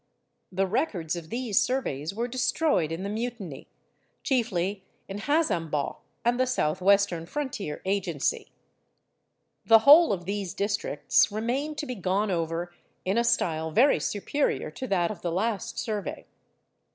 The records of these surveys were destroyed in the Mutiny—chiefly in Hazaumbaugh and the south western frontier Agency. The whole of these districts remain to be gone over in a style very superior to that of the last survey.